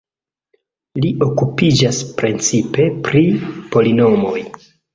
Li okupiĝas precipe pri polinomoj.